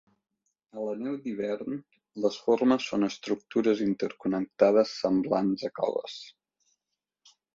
A la neu d'hivern, les formes són estructures interconnectades semblants a coves.